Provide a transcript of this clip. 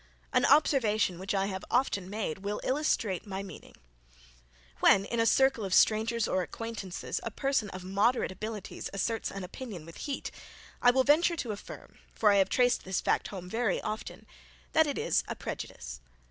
An observation which I have often made will illustrate my meaning. When in a circle of strangers, or acquaintances, a person of moderate abilities, asserts an opinion with heat, I will venture to affirm, for I have traced this fact home, very often, that it is a prejudice.